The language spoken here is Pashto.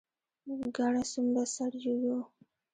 ګڼه څومره سره یو یو.